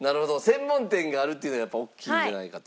専門店があるっていうのはやっぱ大きいんじゃないかと。